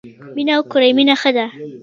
مینه وکړی مینه ښه ده.